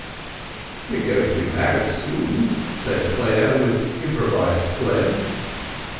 "We are going to be married soon," said Clare, with improvised phlegm.